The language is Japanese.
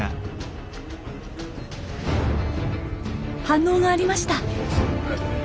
反応がありました！